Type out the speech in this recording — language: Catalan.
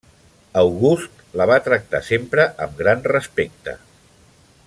August la va tractar sempre amb gran respecte.